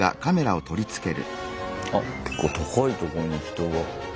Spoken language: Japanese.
あっ結構高いとこに人が。